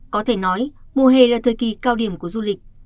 có thể nói mùa hè là thời kỳ cao điểm của du lịch